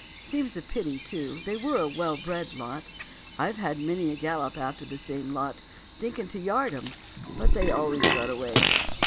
Seems a pity, too, they were a well bred lot. I've had many a gallop after the same lot, thinkin' to yard 'em, but they always got away.